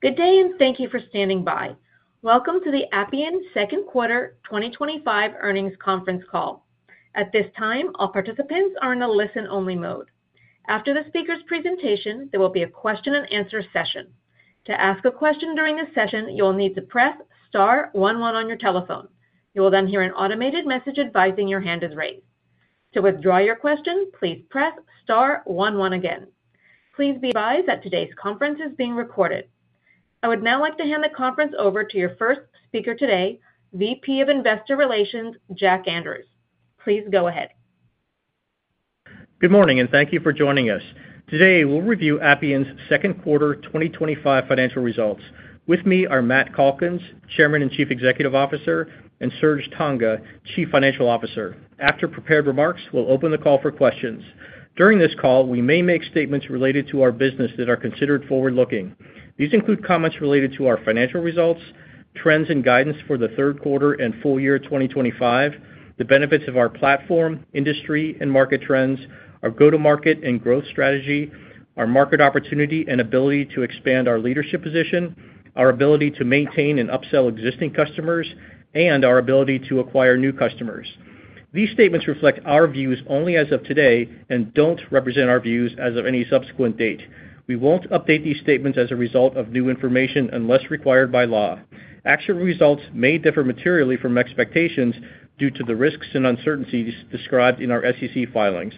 Good day and thank you for standing by. Welcome to the Appian Second Quarter 2025 Earnings Conference Call. At this time, all participants are in a listen-only mode. After the speaker's presentation, there will be a question-and-answer session. To ask a question during this session, you will need to press star one one on your telephone. You will then hear an automated message advising your hand is raised. To withdraw your question, please press star one one again. Please be advised that today's conference is being recorded. I would now like to hand the conference over to your first speaker today, VP of Investor Relations, Jack Andrews. Please go ahead. Good morning and thank you for joining us. Today, we'll review Appian's second quarter 2025 financial results. With me are Matt Calkins, Chairman and Chief Executive Officer, and Serge Tanjga, Chief Financial Officer. After prepared remarks, we'll open the call for questions. During this call, we may make statements related to our business that are considered forward-looking. These include comments related to our financial results, trends and guidance for the third quarter and full year 2025, the benefits of our platform, industry and market trends, our go-to-market and growth strategy, our market opportunity and ability to expand our leadership position, our ability to maintain and upsell existing customers, and our ability to acquire new customers. These statements reflect our views only as of today and don't represent our views as of any subsequent date. We won't update these statements as a result of new information unless required by law. Actual results may differ materially from expectations due to the risks and uncertainties described in our SEC filings.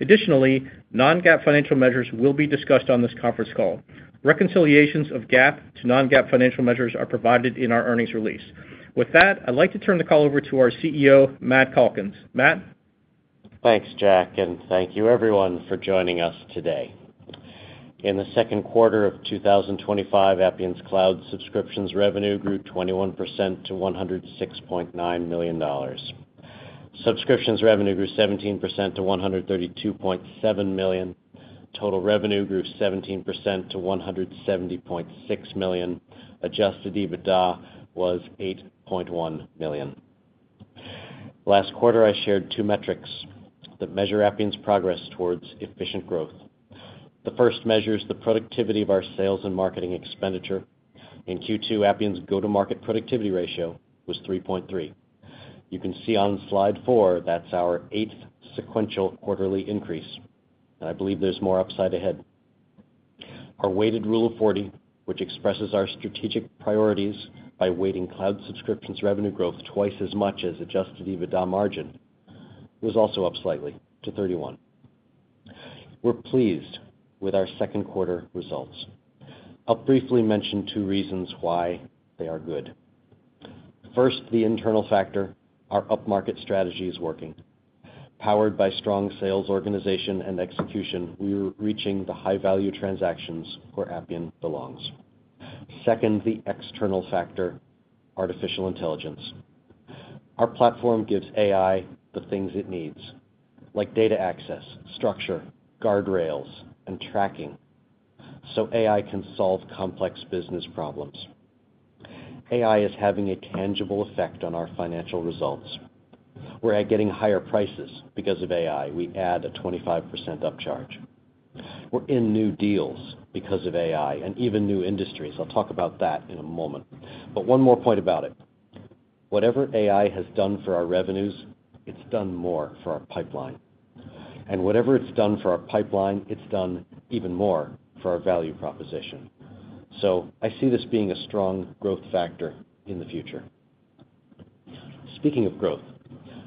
Additionally, non-GAAP financial measures will be discussed on this conference call. Reconciliations of GAAP to non-GAAP financial measures are provided in our earnings release. With that, I'd like to turn the call over to our CEO, Matt Calkins. Matt? Thanks, Jack, and thank you everyone for joining us today. In the second quarter of 2025, Appian's cloud subscriptions revenue grew 21% to $106.9 million. Subscriptions revenue grew 17% to $132.7 million. Total revenue grew 17% to $170.6 million. Adjusted EBITDA was $8.1 million. Last quarter, I shared two metrics that measure Appian's progress towards efficient growth. The first measures the productivity of our sales and marketing expenditure. In Q2, Appian's go-to-market productivity ratio was 3.3. You can see on slide four, that's our eighth sequential quarterly increase, and I believe there's more upside ahead. Our weighted rule of 40, which expresses our strategic priorities by weighting cloud subscriptions revenue growth twice as much as adjusted EBITDA margin, was also up slightly to 31. We're pleased with our second quarter results. I'll briefly mention two reasons why they are good. First, the internal factor: our up-market strategy is working. Powered by strong sales organization and execution, we're reaching the high-value transactions where Appian belongs. Second, the external factor: artificial intelligence. Our platform gives AI the things it needs, like data access, structure, guardrails, and tracking, so AI can solve complex business problems. AI is having a tangible effect on our financial results. We're getting higher prices because of AI. We add a 25% upcharge. We're in new deals because of AI and even new industries. I'll talk about that in a moment. One more point about it: whatever AI has done for our revenues, it's done more for our pipeline. Whatever it's done for our pipeline, it's done even more for our value proposition. I see this being a strong growth factor in the future. Speaking of growth,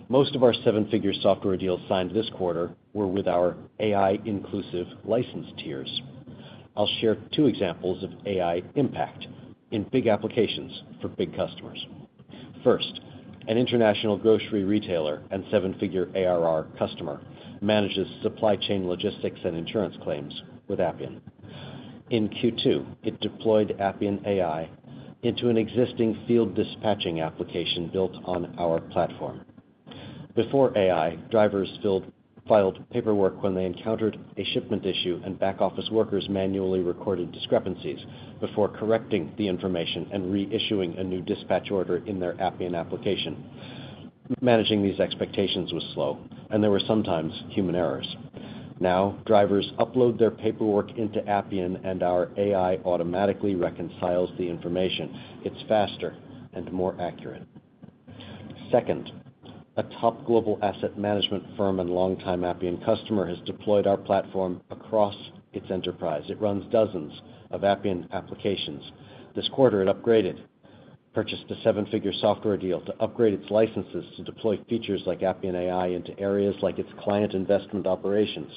most of our seven-figure software deals signed this quarter were with our AI-inclusive license tiers. I'll share two examples of AI impact in big applications for big customers. First, an international grocery retailer and seven-figure ARR customer manages supply chain logistics and insurance claims with Appian. In Q2, it deployed Appian AI into an existing field dispatching application built on our platform. Before AI, drivers filed paperwork when they encountered a shipment issue, and back-office workers manually recorded discrepancies before correcting the information and reissuing a new dispatch order in their Appian application. Managing these expectations was slow, and there were sometimes human errors. Now, drivers upload their paperwork into Appian, and our AI automatically reconciles the information. It's faster and more accurate. Second, a top global asset management firm and long-time Appian customer has deployed our platform across its enterprise. It runs dozens of Appian applications. This quarter, it upgraded. It purchased a seven-figure software deal to upgrade its licenses to deploy features like Appian AI into areas like its client investment operations.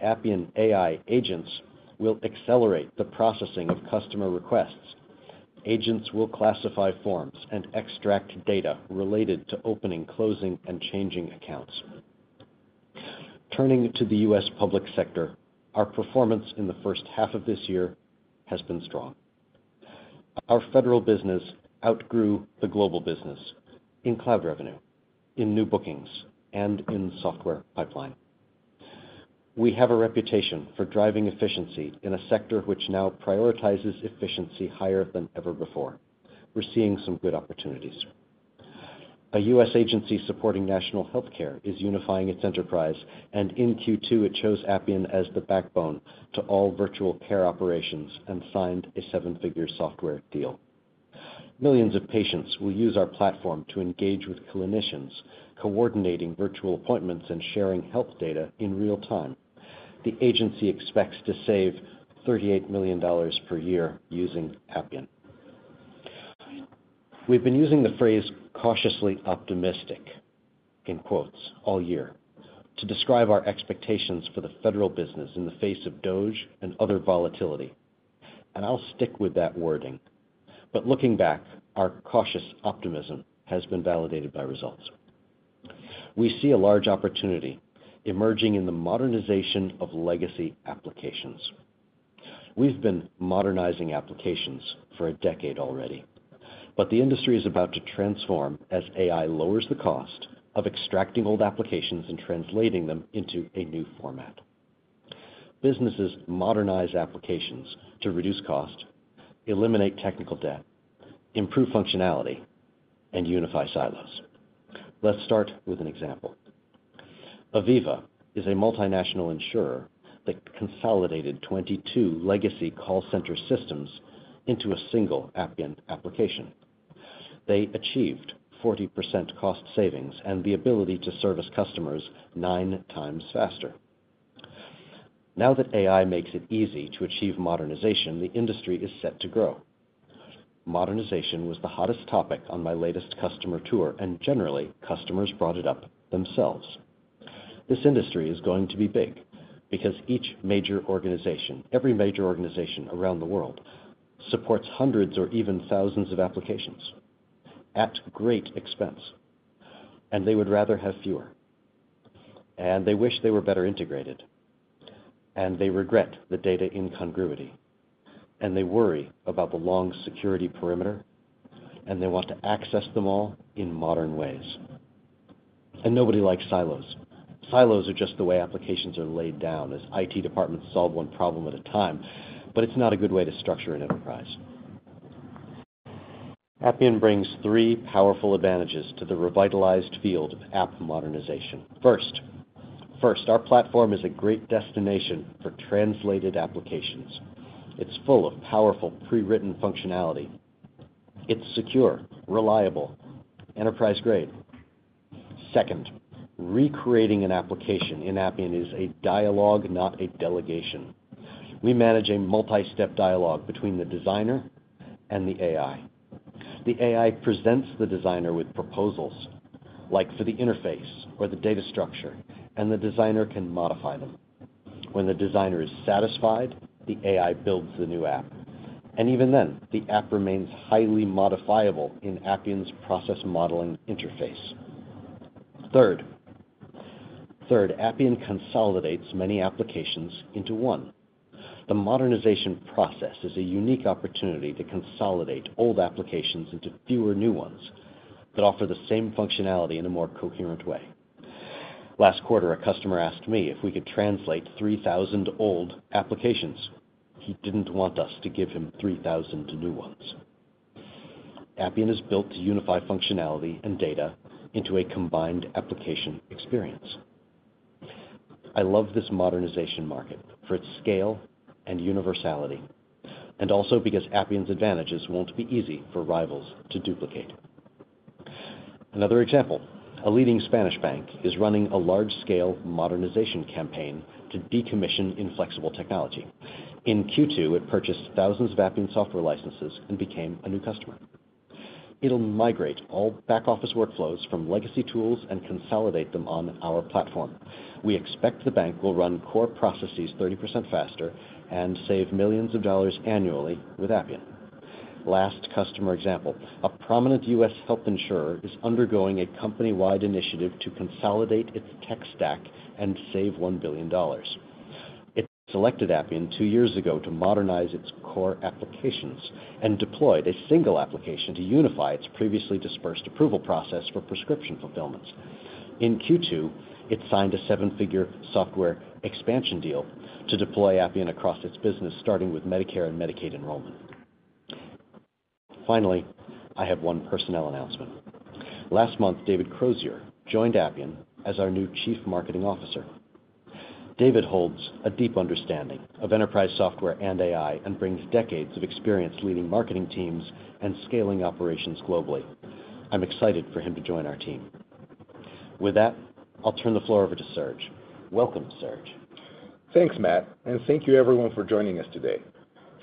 Appian AI agents will accelerate the processing of customer requests. Agents will classify forms and extract data related to opening, closing, and changing accounts. Turning to the U.S. public sector, our performance in the first half of this year has been strong. Our federal business outgrew the global business in cloud revenue, in new bookings, and in software pipeline. We have a reputation for driving efficiency in a sector which now prioritizes efficiency higher than ever before. We're seeing some good opportunities. A U.S. agency supporting national healthcare is unifying its enterprise, and in Q2, it chose Appian as the backbone to all virtual care operations and signed a seven-figure software deal. Millions of patients will use our platform to engage with clinicians, coordinating virtual appointments and sharing health data in real time. The agency expects to save $38 million per year using Appian. We've been using the phrase "cautiously optimistic" in quotes all year to describe our expectations for the federal business in the face of DOGE and other volatility, and I'll stick with that wording. Looking back, our cautious optimism has been validated by results. We see a large opportunity emerging in the modernization of legacy applications. We've been modernizing applications for a decade already, but the industry is about to transform as AI lowers the cost of extracting old applications and translating them into a new format. Businesses modernize applications to reduce cost, eliminate technical debt, improve functionality, and unify silos. Let's start with an example. Aviva is a multinational insurer that consolidated 22 legacy call center systems into a single Appian application. They achieved 40% cost savings and the ability to service customers 9x faster. Now that AI makes it easy to achieve modernization, the industry is set to grow. Modernization was the hottest topic on my latest customer tour, and generally, customers brought it up themselves. This industry is going to be big because each major organization, every major organization around the world, supports hundreds or even thousands of applications at great expense, and they would rather have fewer. They wish they were better integrated, they regret the data incongruity, they worry about the long security perimeter, and they want to access them all in modern ways. Nobody likes silos. Silos are just the way applications are laid down as IT departments solve one problem at a time, but it's not a good way to structure an enterprise. Appian brings three powerful advantages to the revitalized field of app modernization. First, our platform is a great destination for translated applications. It's full of powerful pre-written functionality. It's secure, reliable, and enterprise-grade. Second, recreating an application in Appian is a dialogue, not a delegation. We manage a multi-step dialogue between the designer and the AI. The AI presents the designer with proposals, like for the interface or the data structure, and the designer can modify them. When the designer is satisfied, the AI builds the new app, and even then, the app remains highly modifiable in Appian's process modeling interface. Third, Appian consolidates many applications into one. The modernization process is a unique opportunity to consolidate old applications into fewer new ones that offer the same functionality in a more coherent way. Last quarter, a customer asked me if we could translate 3,000 old applications. He didn't want us to give him 3,000 new ones. Appian is built to unify functionality and data into a combined application experience. I love this modernization market for its scale and universality, and also because Appian's advantages won't be easy for rivals to duplicate. Another example, a leading Spanish bank is running a large-scale modernization campaign to decommission inflexible technology. In Q2, it purchased thousands of Appian software licenses and became a new customer. It'll migrate all back-office workflows from legacy tools and consolidate them on our platform. We expect the bank will run core processes 30% faster and save millions of dollars annually with Appian. Last customer example, a prominent U.S. health insurer is undergoing a company-wide initiative to consolidate its tech stack and save $1 billion. It selected Appian two years ago to modernize its core applications and deployed a single application to unify its previously dispersed approval process for prescription fulfillments. In Q2, it signed a seven-figure software expansion deal to deploy Appian across its business, starting with Medicare and Medicaid enrollment. Finally, I have one personnel announcement. Last month, David Crozier joined Appian as our new Chief Marketing Officer. David holds a deep understanding of enterprise software and AI and brings decades of experience leading marketing teams and scaling operations globally. I'm excited for him to join our team. With that, I'll turn the floor over to Serge. Welcome, Serge. Thanks, Matt, and thank you everyone for joining us today.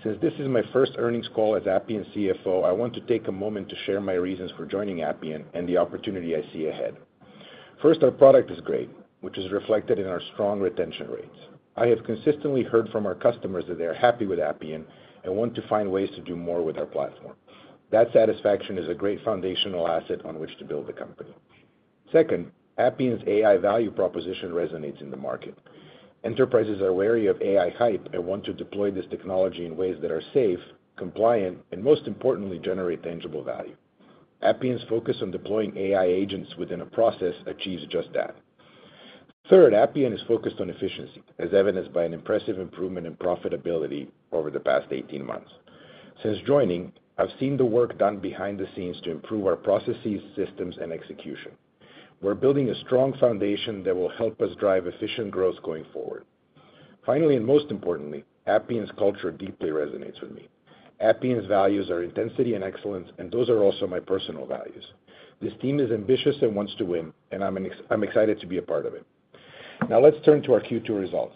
Since this is my first earnings call as Appian's CFO, I want to take a moment to share my reasons for joining Appian and the opportunity I see ahead. First, our product is great, which is reflected in our strong retention rates. I have consistently heard from our customers that they are happy with Appian and want to find ways to do more with our platform. That satisfaction is a great foundational asset on which to build the company. Second, Appian's AI value proposition resonates in the market. Enterprises are wary of AI hype and want to deploy this technology in ways that are safe, compliant, and most importantly, generate tangible value. Appian's focus on deploying AI agents within a process achieves just that. Third, Appian is focused on efficiency, as evidenced by an impressive improvement in profitability over the past 18 months. Since joining, I've seen the work done behind the scenes to improve our processes, systems, and execution. We're building a strong foundation that will help us drive efficient growth going forward. Finally, and most importantly, Appian's culture deeply resonates with me. Appian's values are intensity and excellence, and those are also my personal values. This team is ambitious and wants to win, and I'm excited to be a part of it. Now, let's turn to our Q2 results.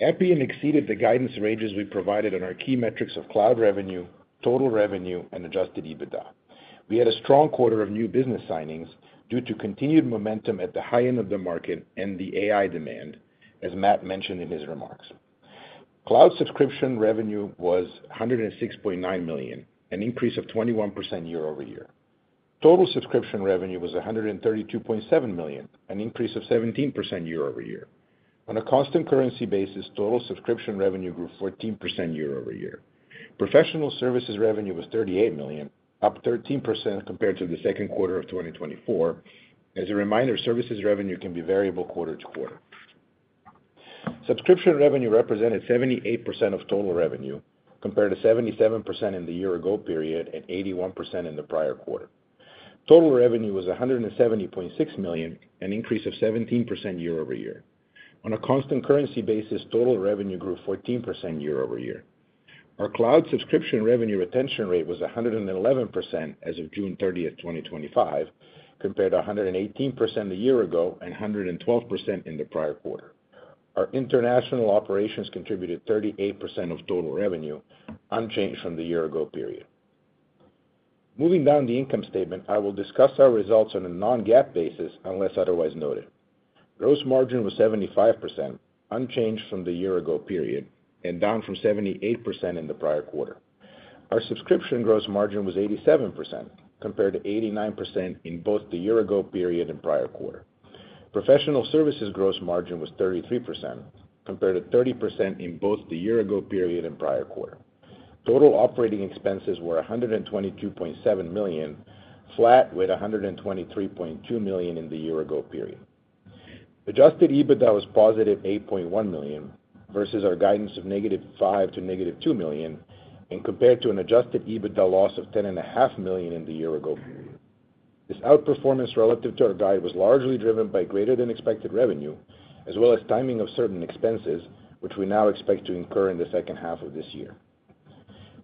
Appian exceeded the guidance ranges we provided on our key metrics of cloud revenue, total revenue, and adjusted EBITDA. We had a strong quarter of new business signings due to continued momentum at the high end of the market and the AI demand, as Matt mentioned in his remarks. Cloud subscription revenue was $106.9 million, an increase of 21% year-over-year. Total subscription revenue was $132.7 million, an increase of 17% year-over-year. On a cost-and-currency basis, total subscription revenue grew 14% year-over-year. Professional services revenue was $38 million, up 13% compared to the second quarter of 2024. As a reminder, services revenue can be variable quarter-to-quarter. Subscription revenue represented 78% of total revenue, compared to 77% in the year-ago period and 81% in the prior quarter. Total revenue was $170.6 million, an increase of 17% year-over-year. On a cost-and-currency basis, total revenue grew 14% year-over-year. Our cloud subscription revenue retention rate was 111% as of June 30, 2025, compared to 118% a year ago and 112% in the prior quarter. Our international operations contributed 38% of total revenue, unchanged from the year-ago period. Moving down the income statement, I will discuss our results on a non-GAAP basis unless otherwise noted. Gross margin was 75%, unchanged from the year-ago period, and down from 78% in the prior quarter. Our subscription gross margin was 87%, compared to 89% in both the year-ago period and prior quarter. Professional services gross margin was 33%, compared to 30% in both the year-ago period and prior quarter. Total operating expenses were $122.7 million, flat with $123.2 million in the year-ago period. Adjusted EBITDA was +$8.1 million versus our guidance of -$5 million to -$2 million, and compared to an adjusted EBITDA loss of $10.5 million in the year-ago period. This outperformance relative to our guide was largely driven by greater than expected revenue, as well as timing of certain expenses, which we now expect to incur in the second half of this year.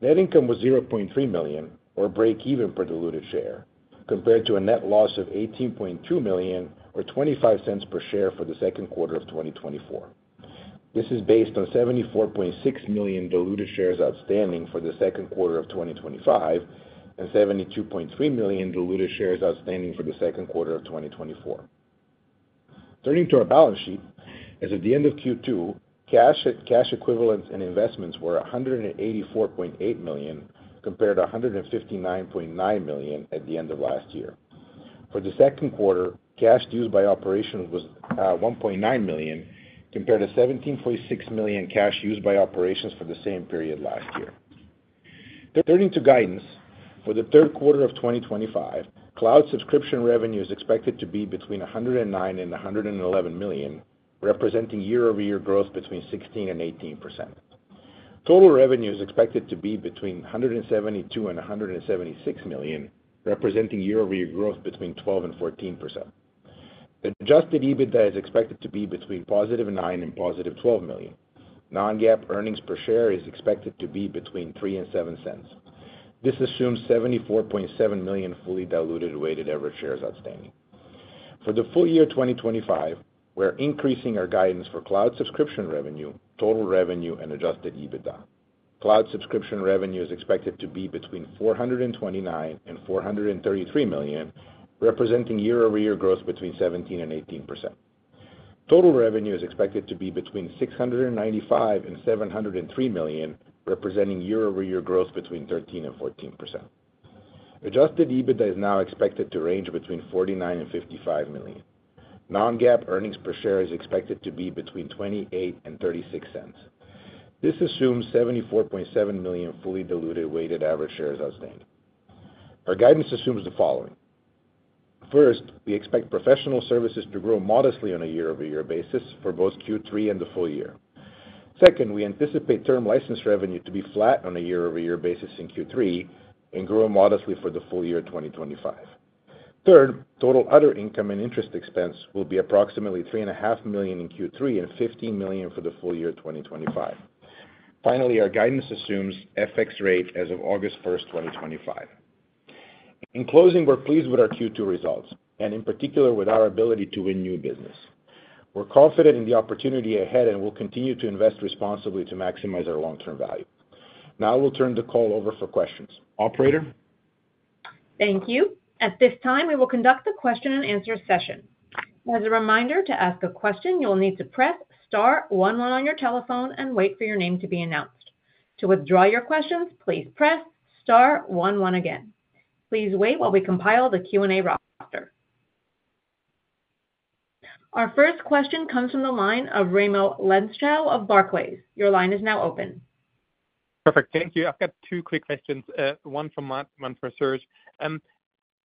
Net income was $0.3 million, or breakeven per diluted share, compared to a net loss of $18.2 million, or $0.25 per share for the second quarter of 2024. This is based on 74.6 million diluted shares outstanding for the second quarter of 2025 and 72.3 million diluted shares outstanding for the second quarter of 2024. Turning to our balance sheet, as at the end of Q2, cash equivalents and investments were $184.8 million, compared to $159.9 million at the end of last year. For the second quarter, cash used by operations was $1.9 million, compared to $17.6 million cash used by operations for the same period last year. Third, turning to guidance for the third quarter of 2025, cloud subscription revenue is expected to be between $109 million and $111 million, representing year-over-year growth between 16% and 18%. Total revenue is expected to be between $172 million and $176 million, representing year-over-year growth between 12% and 14%. Adjusted EBITDA is expected to be between +$9 million and +$12 million. Non-GAAP earnings per share is expected to be between $0.03 and $0.07. This assumes 74.7 million fully diluted weighted average shares outstanding. For the full year 2025, we're increasing our guidance for cloud subscription revenue, total revenue, and adjusted EBITDA. Cloud subscription revenue is expected to be between $429 million and $433 million, representing year-over-year growth between 17% and 18%. Total revenue is expected to be between $695 million and $703 million, representing year-over-year growth between 13% and 14%. Adjusted EBITDA is now expected to range between $49 million and $55 million. Non-GAAP earnings per share is expected to be between $0.28 and $0.36. This assumes 74.7 million fully diluted weighted average shares outstanding. Our guidance assumes the following: First, we expect professional services to grow modestly on a year-over-year basis for both Q3 and the full year. Second, we anticipate term license revenue to be flat on a year-over-year basis in Q3 and grow modestly for the full year 2025. Third, total other income and interest expense will be approximately $3.5 million in Q3 and $15 million for the full year 2025. Finally, our guidance assumes FX rate as of August 1, 2025. In closing, we're pleased with our Q2 results and, in particular, with our ability to win new business. We're confident in the opportunity ahead and will continue to invest responsibly to maximize our long-term value. Now, we'll turn the call over for questions. Operator? Thank you. At this time, we will conduct the question-and-answer session. As a reminder, to ask a question, you will need to press star one one on your telephone and wait for your name to be announced. To withdraw your questions, please press star one one again. Please wait while we compile the Q&A roster. Our first question comes from the line of Raimo Lenschow of Barclays. Your line is now open. Perfect. Thank you. I've got two quick questions, one for Matt, one for Serge.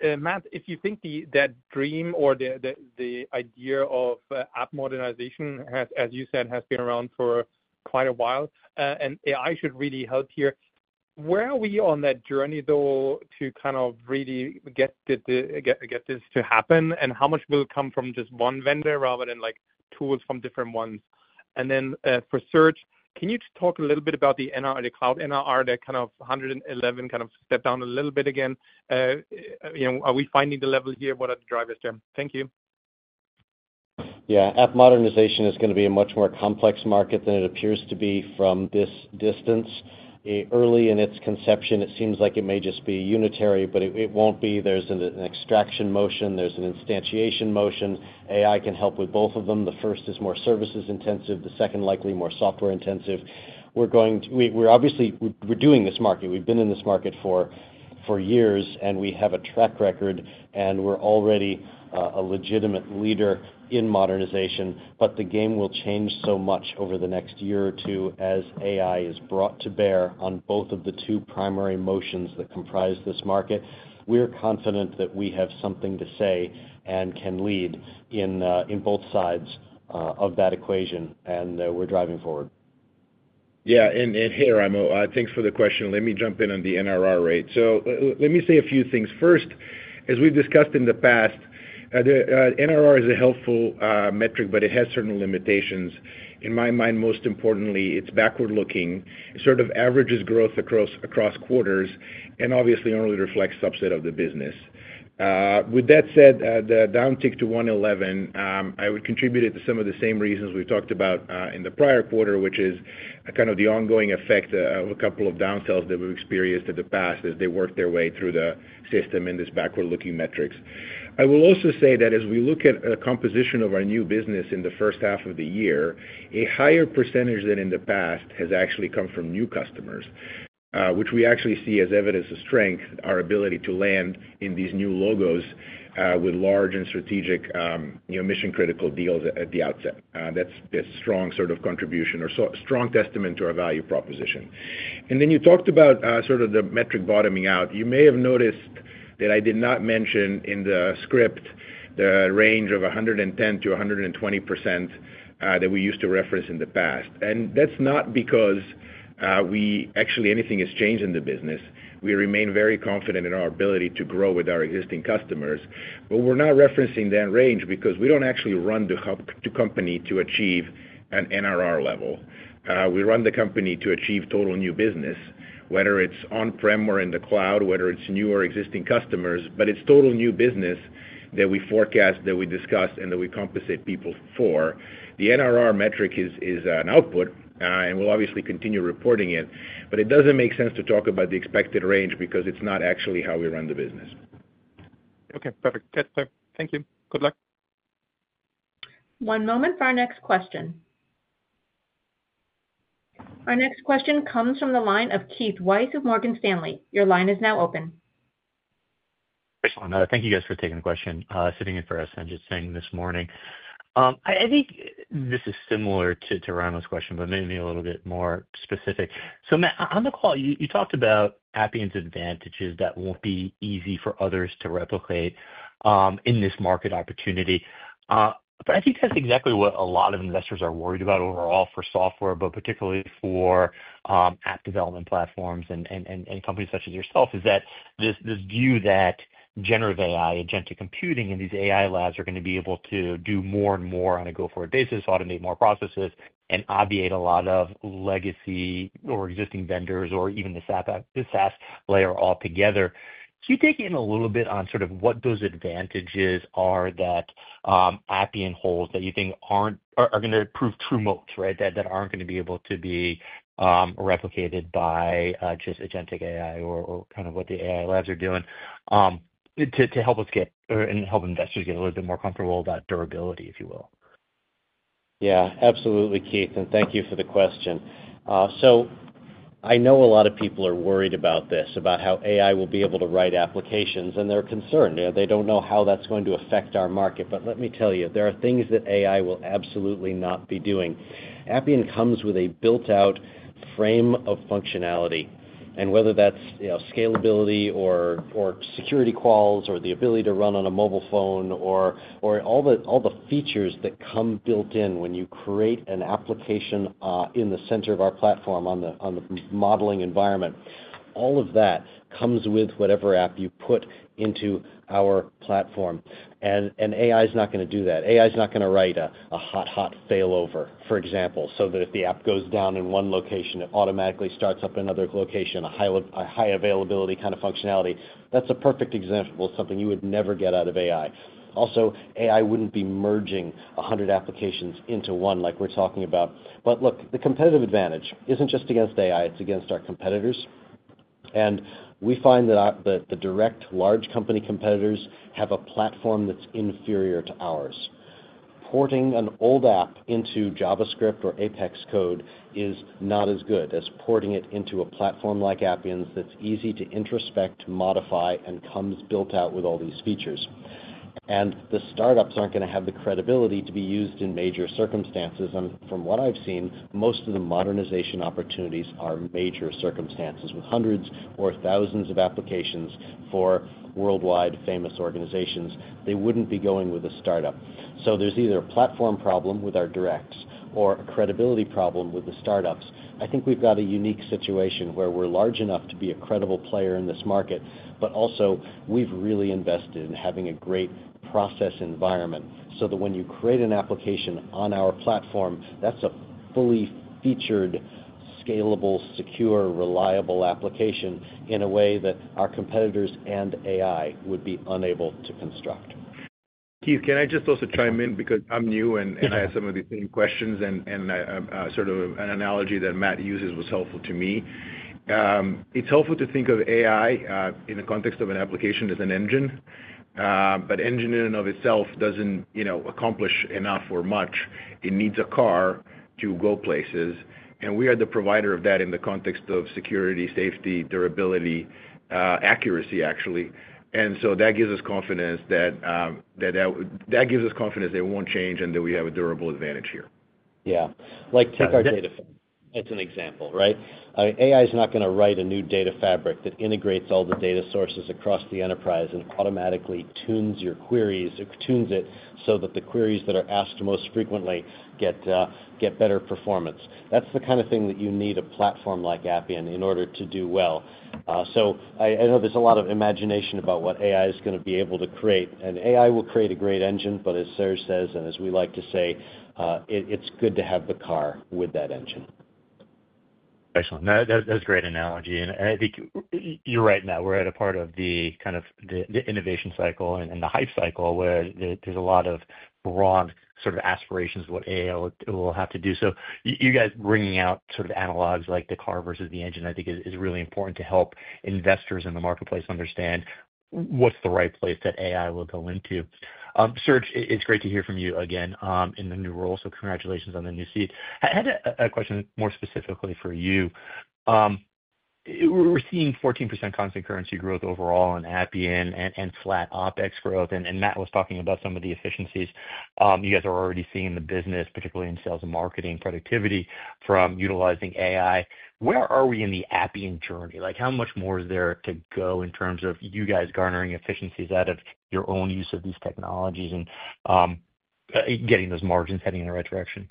Matt, if you think that dream or the idea of application modernization, as you said, has been around for quite a while, and AI should really help here, where are we on that journey, though, to kind of really get this to happen? How much will it come from just one vendor rather than tools from different ones? For Serge, can you talk a little bit about the NRR, the cloud NRR, that kind of 111% kind of stepped down a little bit again? Are we finding the level here? What are the drivers there? Thank you. Yeah, application modernization is going to be a much more complex market than it appears to be from this distance. Early in its conception, it seems like it may just be unitary, but it won't be. There's an extraction motion. There's an instantiation motion. AI can help with both of them. The first is more services-intensive. The second, likely more software-intensive. We're obviously doing this market. We've been in this market for years, and we have a track record, and we're already a legitimate leader in modernization. The game will change so much over the next year or two as AI is brought to bear on both of the two primary motions that comprise this market. We're confident that we have something to say and can lead in both sides of that equation, and we're driving forward. Yeah, thanks for the question. Let me jump in on the NRR rate. Let me say a few things. First, as we've discussed in the past, NRR is a helpful metric, but it has certain limitations. In my mind, most importantly, it's backward looking. It sort of averages growth across quarters and obviously only reflects a subset of the business. With that said, the downtick to 111%, I would contribute it to some of the same reasons we talked about in the prior quarter, which is kind of the ongoing effect of a couple of downfalls that we've experienced in the past as they work their way through the system in these backward-looking metrics. I will also say that as we look at the composition of our new business in the first half of the year, a higher percentage than in the past has actually come from new customers, which we actually see as evidence of strength, our ability to land in these new logos with large and strategic, mission-critical deals at the outset. That's a strong sort of contribution or strong testament to our value proposition. You talked about the metric bottoming out. You may have noticed that I did not mention in the script the range of 110%-120% that we used to reference in the past. That's not because anything has changed in the business. We remain very confident in our ability to grow with our existing customers. We're not referencing that range because we don't actually run the company to achieve an NRR level. We run the company to achieve total new business, whether it's on-prem or in the cloud, whether it's new or existing customers, but it's total new business that we forecast, that we discuss, and that we compensate people for. The NRR metric is an output, and we'll obviously continue reporting it, but it doesn't make sense to talk about the expected range because it's not actually how we run the business. OK, perfect. Thank you. Good luck. One moment for our next question. Our next question comes from the line of Keith Weiss of Morgan Stanley. Your line is now open. Thanks. Thank you guys for taking the question. Sitting in for us and just saying this morning. I think this is similar to Raimo's question, but maybe a little bit more specific. So Matt, on the call, you talked about Appian's advantages that won't be easy for others to replicate in this market opportunity. I think that's exactly what a lot of investors are worried about overall for software, but particularly for app development platforms and companies such as yourself, is that this view that generative AI, agentic computing, and these AI labs are going to be able to do more and more on a go-forward basis, automate more processes, and obviate a lot of legacy or existing vendors or even the SaaS layer altogether. Can you dig in a little bit on sort of what those advantages are that Appian holds that you think are going to prove true moats, right, that aren't going to be able to be replicated by just agentic AI or kind of what the AI labs are doing to help us get and help investors get a little bit more comfortable about durability, if you will? Yeah, absolutely, Keith. Thank you for the question. I know a lot of people are worried about this, about how AI will be able to write applications, and they're concerned. They don't know how that's going to affect our market. Let me tell you, there are things that AI will absolutely not be doing. Appian comes with a built-out frame of functionality. Whether that's scalability or security quals or the ability to run on a mobile phone or all the features that come built in when you create an application in the center of our platform on the modeling environment, all of that comes with whatever app you put into our platform. AI is not going to do that. AI is not going to write a hot-hot failover, for example, so that if the app goes down in one location, it automatically starts up in another location, a high availability kind of functionality. That's a perfect example of something you would never get out of AI. Also, AI wouldn't be merging 100 applications into one like we're talking about. The competitive advantage isn't just against AI. It's against our competitors. We find that the direct large company competitors have a platform that's inferior to ours. Porting an old app into JavaScript or APEX code is not as good as porting it into a platform like Appian's that's easy to introspect, modify, and comes built out with all these features. The startups aren't going to have the credibility to be used in major circumstances. From what I've seen, most of the modernization opportunities are major circumstances with hundreds or thousands of applications for worldwide famous organizations. They wouldn't be going with a startup. There's either a platform problem with our directs or a credibility problem with the startups. I think we've got a unique situation where we're large enough to be a credible player in this market, but also we've really invested in having a great process environment so that when you create an application on our platform, that's a fully featured, scalable, secure, reliable application in a way that our competitors and AI would be unable to construct. Keith, can I just also chime in? Because I'm new and I have some of the same questions, and sort of an analogy that Matt uses was helpful to me. It's helpful to think of AI in the context of an application as an engine, but an engine in and of itself doesn't accomplish enough or much. It needs a car to go places, and we are the provider of that in the context of security, safety, durability, accuracy, actually. That gives us confidence that it won't change and that we have a durable advantage here. Take our Data Fabric as an example, right? AI is not going to write a new Data Fabric that integrates all the data sources across the enterprise and automatically tunes your queries, tunes it so that the queries that are asked most frequently get better performance. That's the kind of thing that you need a platform like Appian in order to do well. I know there's a lot of imagination about what AI is going to be able to create, and AI will create a great engine, but as Serge says, and as we like to say, it's good to have the car with that engine. Excellent. That was a great analogy. I think you're right, Matt, we're at a part of the kind of innovation cycle and the hype cycle where there's a lot of broad sort of aspirations of what AI will have to do. You guys bringing out sort of analogs like the car versus the engine, I think, is really important to help investors in the marketplace understand what's the right place that AI will go into. Serge, it's great to hear from you again in the new role, so congratulations on the new seat. I had a question more specifically for you. We're seeing 14% concurrency growth overall in Appian and flat OpEx growth, and Matt was talking about some of the efficiencies you guys are already seeing in the business, particularly in sales and marketing productivity from utilizing AI. Where are we in the Appian journey? How much more is there to go in terms of you guys garnering efficiencies out of your own use of these technologies and getting those margins heading in the right direction?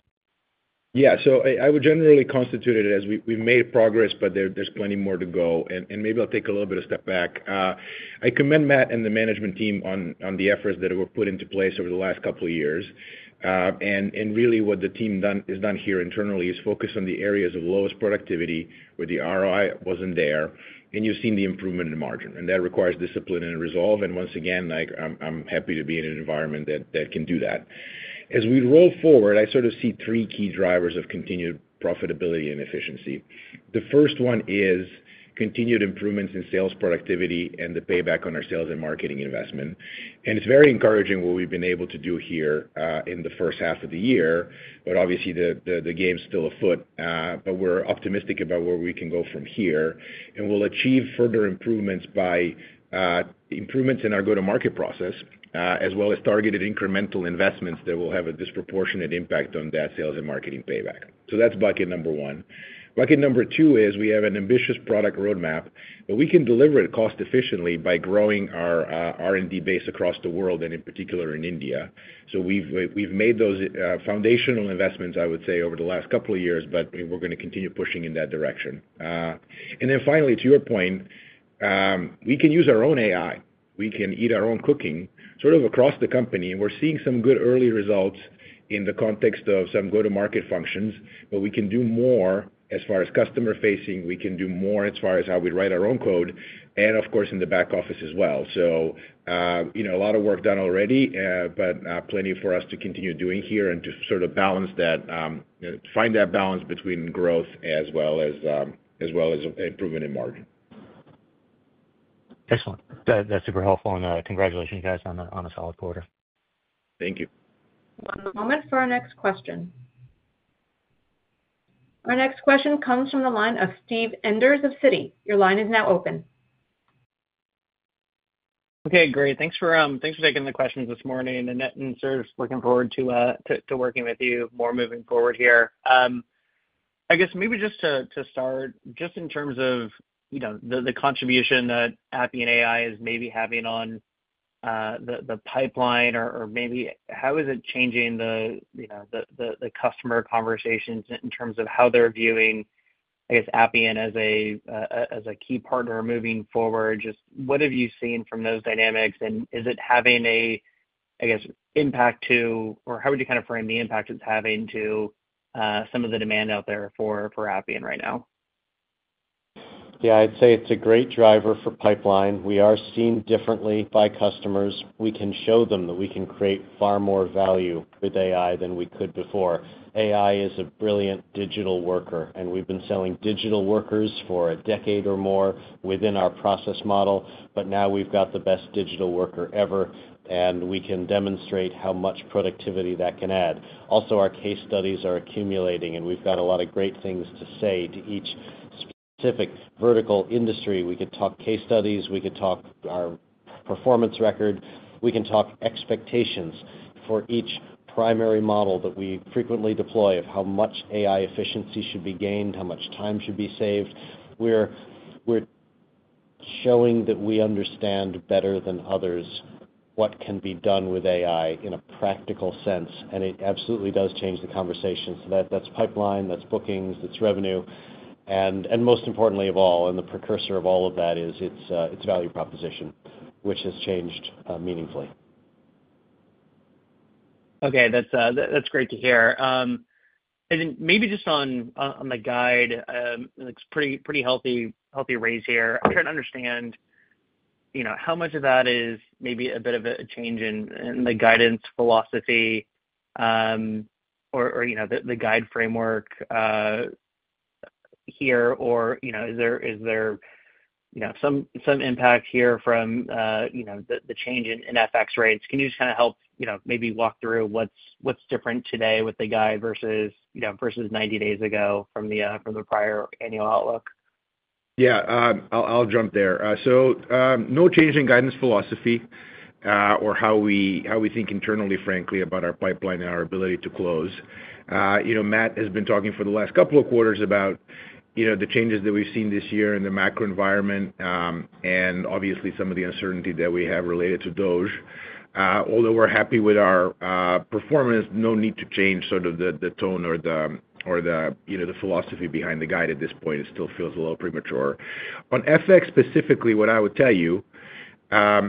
I would generally constitute it as we made progress, but there's plenty more to go. Maybe I'll take a little bit of a step back. I commend Matt and the management team on the efforts that were put into place over the last couple of years. What the team has done here internally is focus on the areas of lowest productivity where the ROI wasn't there, and you've seen the improvement in margin. That requires discipline and resolve. I'm happy to be in an environment that can do that. As we roll forward, I sort of see three key drivers of continued profitability and efficiency. The first one is continued improvements in sales productivity and the payback on our sales and marketing investment. It's very encouraging what we've been able to do here in the first half of the year, but obviously, the game is still afoot. We're optimistic about where we can go from here, and we'll achieve further improvements by improvements in our go-to-market process, as well as targeted incremental investments that will have a disproportionate impact on that sales and marketing payback. That's bucket number one. Bucket number two is we have an ambitious product roadmap, but we can deliver it cost-efficiently by growing our R&D base across the world, and in particular in India. We've made those foundational investments, I would say, over the last couple of years, but we're going to continue pushing in that direction. Finally, to your point, we can use our own AI. We can eat our own cooking sort of across the company, and we're seeing some good early results in the context of some go-to-market functions, but we can do more as far as customer-facing. We can do more as far as how we write our own code, and of course, in the back office as well. A lot of work done already, but plenty for us to continue doing here and to sort of find that balance between growth as well as improvement in margin. Excellent. That's super helpful, and congratulations guys on a solid quarter. Thank you. One moment for our next question. Our next question comes from the line of Steve Enders of Citi. Your line is now open. OK, great. Thanks for taking the questions this morning, and Serge. Looking forward to working with you more moving forward here. I guess maybe just to start, in terms of the contribution that Appian AI is maybe having on the pipeline, or maybe how is it changing the customer conversations in terms of how they're viewing, I guess, Appian as a key partner moving forward? What have you seen from those dynamics, and is it having an impact to, or how would you kind of frame the impact it's having to some of the demand out there for Appian right now? Yeah, I'd say it's a great driver for pipeline. We are seen differently by customers. We can show them that we can create far more value with AI than we could before. AI is a brilliant digital worker, and we've been selling digital workers for a decade or more within our process model, but now we've got the best digital worker ever, and we can demonstrate how much productivity that can add. Also, our case studies are accumulating, and we've got a lot of great things to say to each specific vertical industry. We could talk case studies. We could talk our performance record. We can talk expectations for each primary model that we frequently deploy of how much AI efficiency should be gained, how much time should be saved. We're showing that we understand better than others what can be done with AI in a practical sense, and it absolutely does change the conversations. That's pipeline. That's bookings. That's revenue. Most importantly of all, and the precursor of all of that, is its value proposition, which has changed meaningfully. OK, that's great to hear. Maybe just on the guide, it looks pretty healthy raise here. I'm trying to understand how much of that is maybe a bit of a change in the guidance philosophy or the guide framework here, or is there some impact here from the change in FX rates? Can you just kind of help maybe walk through what's different today with the guide versus 90 days ago from the prior annual outlook? Yeah, I'll jump there. No change in guidance philosophy or how we think internally, frankly, about our pipeline and our ability to close. Matt has been talking for the last couple of quarters about the changes that we've seen this year in the macro environment and obviously some of the uncertainty that we have related to DOGE. Although we're happy with our performance, no need to change sort of the tone or the philosophy behind the guide at this point. It still feels a little premature. On FX specifically, what I would tell you, as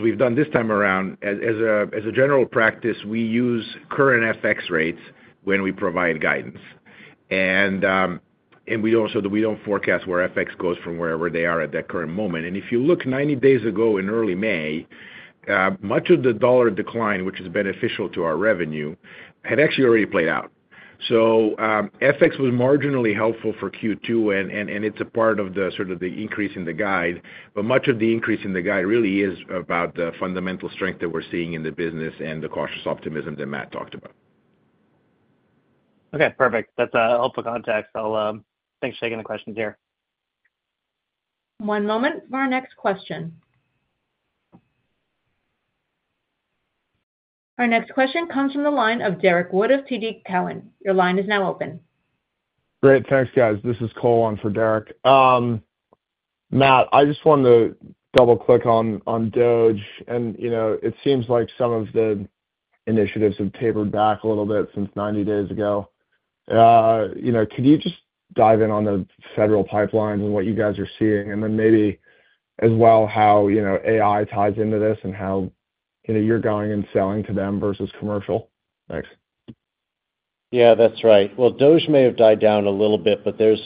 we've done this time around, as a general practice, we use current FX rates when we provide guidance. We also forecast where FX goes from wherever they are at that current moment. If you look 90 days ago in early May, much of the dollar decline, which is beneficial to our revenue, had actually already played out. FX was marginally helpful for Q2, and it's a part of the increase in the guide, but much of the increase in the guide really is about the fundamental strength that we're seeing in the business and the cautious optimism that Matt talked about. OK, perfect. That's a helpful context. Thanks for taking the questions here. One moment for our next question. Our next question comes from the line of Derrick Wood of TD Cowen. Your line is now open. Great, thanks, guys. This is Cole on for Derrick. Matt, I just wanted to double-click on DOGE, and it seems like some of the initiatives have tapered back a little bit since 90 days ago. Can you just dive in on the federal pipelines and what you guys are seeing? Maybe as well how AI ties into this and how you're going and selling to them versus commercial. Thanks. Yeah, that's right. DOGE may have died down a little bit, but there are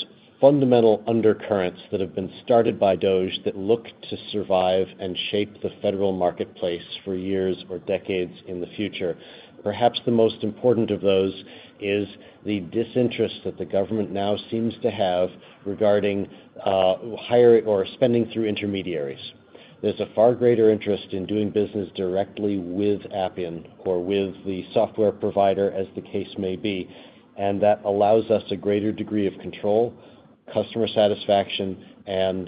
fundamental undercurrents that have been started by DOGE that look to survive and shape the federal marketplace for years or decades in the future. Perhaps the most important of those is the disinterest that the government now seems to have regarding hiring or spending through intermediaries. There is a far greater interest in doing business directly with Appian or with the software provider, as the case may be, and that allows us a greater degree of control, customer satisfaction, and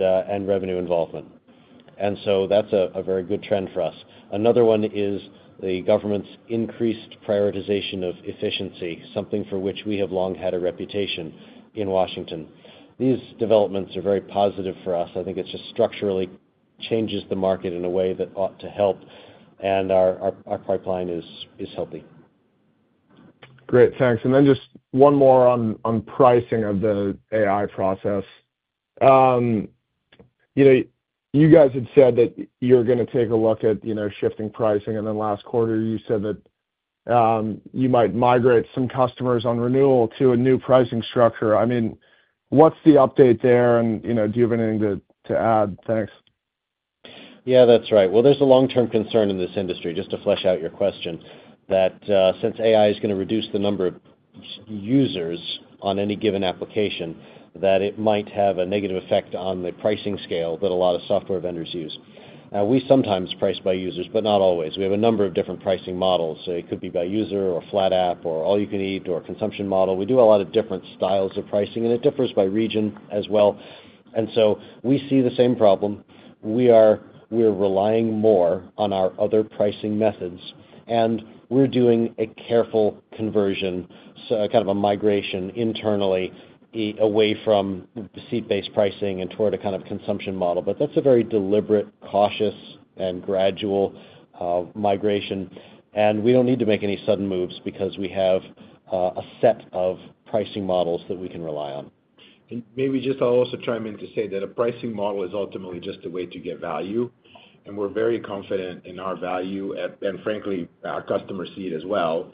revenue involvement. That is a very good trend for us. Another one is the government's increased prioritization of efficiency, something for which we have long had a reputation in Washington. These developments are very positive for us. I think it just structurally changes the market in a way that ought to help, and our pipeline is healthy. Great, thanks. Just one more on pricing of the AI process. You guys had said that you're going to take a look at shifting pricing, and last quarter, you said that you might migrate some customers on renewal to a new pricing structure. What's the update there, and do you have anything to add? Thanks. That's right. There's a long-term concern in this industry, just to flesh out your question, that since AI is going to reduce the number of users on any given application, it might have a negative effect on the pricing scale that a lot of software vendors use. We sometimes price by users, but not always. We have a number of different pricing models. It could be by user, flat app, all-you-can-eat, or consumption model. We do a lot of different styles of pricing, and it differs by region as well. We see the same problem. We are relying more on our other pricing methods, and we're doing a careful conversion, kind of a migration internally away from seat-based pricing and toward a kind of consumption model. That's a very deliberate, cautious, and gradual migration. We don't need to make any sudden moves because we have a set of pricing models that we can rely on. I'll also chime in to say that a pricing model is ultimately just a way to get value, and we're very confident in our value and, frankly, our customer seed as well.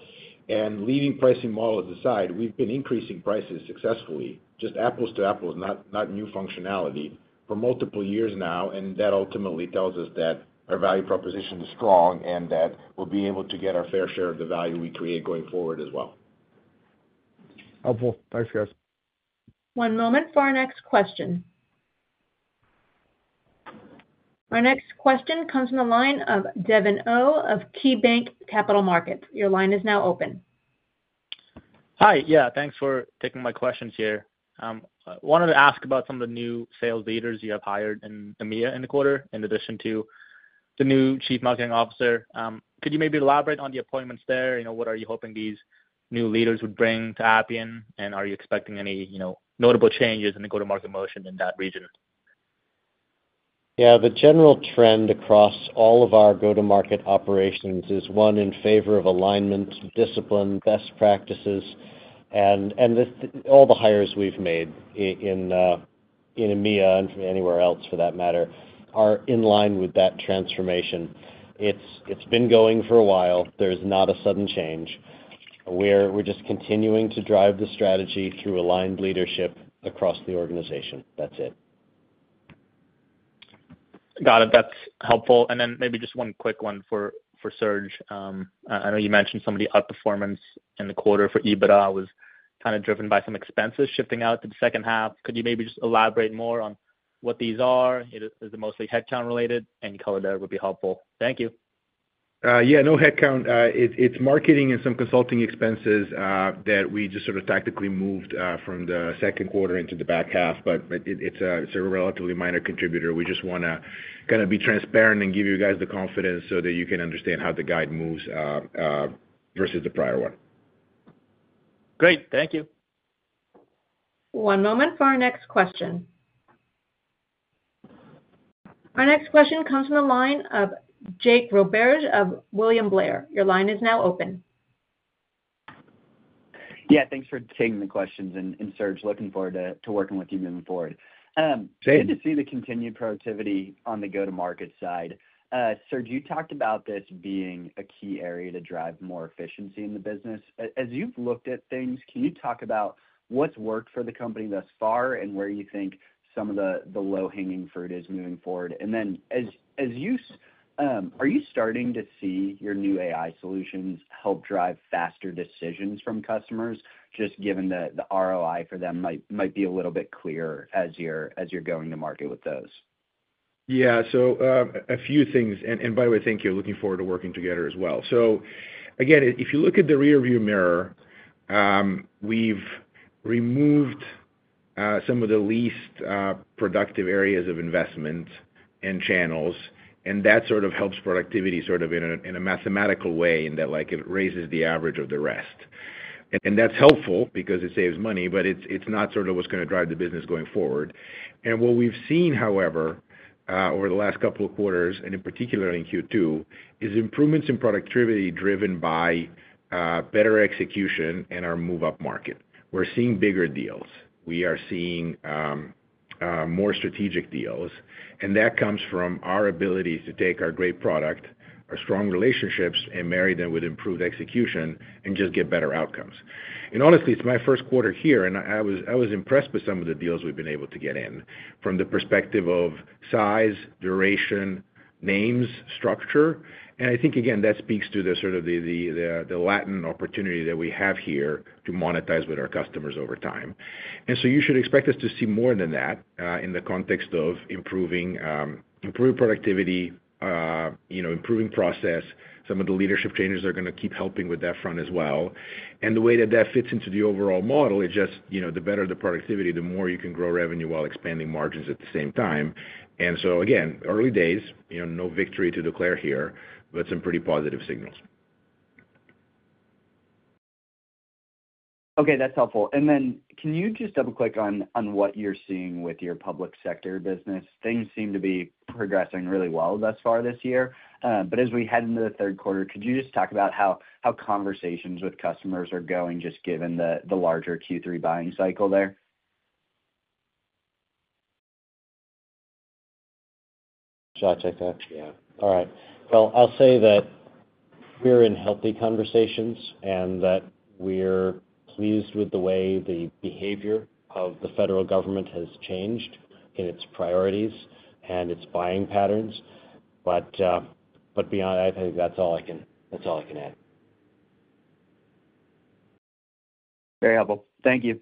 Leaving pricing models aside, we've been increasing prices successfully, just apples to apples, not new functionality, for multiple years now. That ultimately tells us that our value proposition is strong and that we'll be able to get our fair share of the value we create going forward as well. Helpful. Thanks, guys. One moment for our next question. Our next question comes from the line of Devin Au of KeyBanc Capital Markets. Your line is now open. Hi. Thanks for taking my questions here. I wanted to ask about some of the new sales leaders you have hired in EMEA in the quarter, in addition to the new Chief Marketing Officer. Could you maybe elaborate on the appointments there? What are you hoping these new leaders would bring to Appian, and are you expecting any notable changes in the go-to-market motion in that region? The general trend across all of our go-to-market operations is one in favor of alignment, discipline, best practices. All the hires we've made in EMEA and from anywhere else, for that matter, are in line with that transformation. It's been going for a while. There's not a sudden change. We're just continuing to drive the strategy through aligned leadership across the organization. That's it. Got it. That's helpful. Maybe just one quick one for Serge. I know you mentioned some of the outperformance in the quarter for EBITDA was kind of driven by some expenses shifting out to the second half. Could you maybe just elaborate more on what these are? Is it mostly headcount related? Any color there would be helpful. Thank you. No headcount. It's marketing and some consulting expenses that we just sort of tactically moved from the second quarter into the back half, but it's a relatively minor contributor. We just want to kind of be transparent and give you guys the confidence so that you can understand how the guide moves versus the prior one. Great. Thank you. One moment for our next question. Our next question comes from the line of Jake Roberge of William Blair. Your line is now open. Yeah, thanks for taking the questions, and Serge, looking forward to working with you moving forward. Good to see the continued productivity on the go-to-market side. Serge, you talked about this being a key area to drive more efficiency in the business. As you've looked at things, can you talk about what's worked for the company thus far and where you think some of the low-hanging fruit is moving forward? Are you starting to see your new AI solutions help drive faster decisions from customers, just given that the ROI for them might be a little bit clearer as you're going to market with those? Yeah, a few things. By the way, thank you. Looking forward to working together as well. If you look at the rearview mirror, we've removed some of the least productive areas of investment and channels, and that helps productivity in a mathematical way in that it raises the average of the rest. That's helpful because it saves money, but it's not what's going to drive the business going forward. What we've seen over the last couple of quarters, and in particular in Q2, is improvements in productivity driven by better execution and our move-up market. We're seeing bigger deals. We are seeing more strategic deals, and that comes from our ability to take our great product, our strong relationships, and marry them with improved execution and just get better outcomes. Honestly, it's my first quarter here, and I was impressed with some of the deals we've been able to get in from the perspective of size, duration, names, structure. I think that speaks to the opportunity that we have here to monetize with our customers over time. You should expect us to see more than that in the context of improving productivity, improving process. Some of the leadership changes are going to keep helping with that front as well. The way that fits into the overall model is just the better the productivity, the more you can grow revenue while expanding margins at the same time. Early days, no victory to declare here, but some pretty positive signals. OK, that's helpful. Can you just double-click on what you're seeing with your public sector business? Things seem to be progressing really well thus far this year. As we head into the third quarter, could you just talk about how conversations with customers are going, given the larger Q3 buying cycle there? I think, yeah. All right. I'll say that we're in healthy conversations and that we're pleased with the way the behavior of the federal government has changed in its priorities and its buying patterns. Beyond that, I think that's all I can add. Very helpful. Thank you.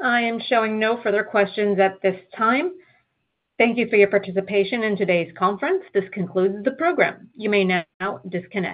I am showing no further questions at this time. Thank you for your participation in today's conference. This concludes the program. You may now disconnect.